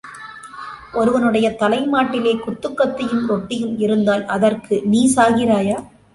ஒருவனுடைய தலைமாட்டிலே குத்துக்கத்தியும் ரொட்டியும் இருந்தால், அதற்கு நீ சாகிறாயா?